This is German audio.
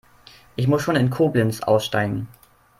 Ich muss schon in Koblenz aussteigen